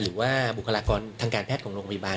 บุคลากรทางการแพทย์ของโรงพยาบาล